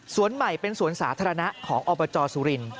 ใหม่เป็นสวนสาธารณะของอบจสุรินท